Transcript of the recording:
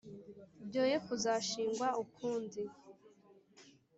byoye kuzashingwa ukundi.